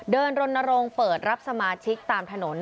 รณรงค์เปิดรับสมาชิกตามถนน